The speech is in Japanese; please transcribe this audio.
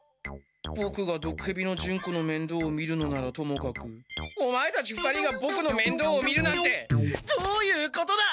ボクがどくへびのジュンコのめんどうを見るのならともかくオマエたち２人がボクのめんどうを見るなんてどういうことだ？